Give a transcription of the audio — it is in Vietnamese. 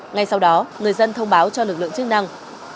ngay sau đó người dân thông báo cho lực lượng chức năng